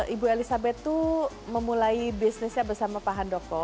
ibu elisabeth memulai bisnisnya bersama pak handoko